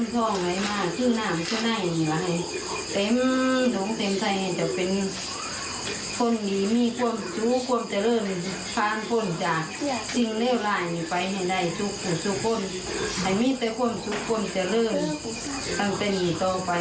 ซึ่งเรียบร้ายมีไปให้ได้ทุกคนทุกคนจะเริ่มตั้งแต่นี้ต่อไป